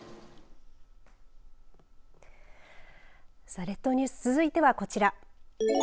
さあ列島ニュース続いてはこちら。